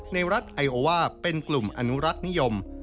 ในรัฐไอโอว่าเป็นกลุ่มอนุรักษ์นิยม